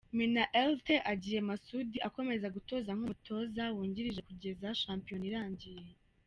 Minnaert agiye Masudi akomeza gutoza nk’umutoza wungirije kugeza shampiyona irangiye.